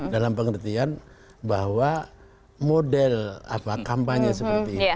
dalam pengertian bahwa model kampanye seperti ini